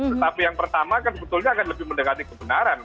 tetapi yang pertama kan sebetulnya akan lebih mendekati kebenaran